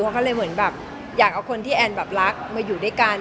เขาเลยเหมือนแบบอยากเอาคนที่แอนแบบรักมาอยู่ด้วยกัน